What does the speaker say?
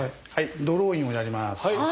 ドローインをやります。